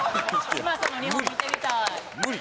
嶋佐の２本見てみたい！